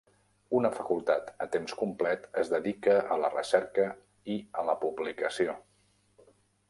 Una facultat a temps complet es dedica a la recerca i a la publicació.